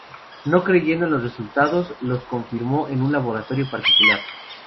No creyendo en los resultados, los confirmó en un laboratorio particular.